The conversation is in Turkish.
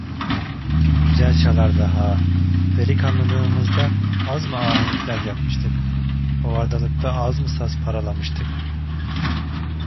Güzel çalardı ha, delikanlılığımızda az mı ahenkler yapmıştık, hovardalıkta az mı saz paralamıştık!